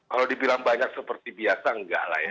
kalau dibilang banyak seperti biasa enggak lah ya